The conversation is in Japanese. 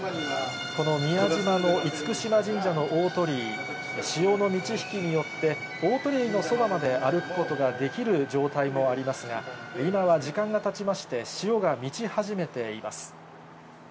この宮島の厳島神社の大鳥居、潮の満ち引きによって、大鳥居のそばまで歩くことができる状態もありますが、今は時間がたちまして、潮が満ち始めています。